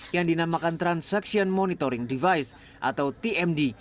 yang dinamakan transaction monitoring device atau tmd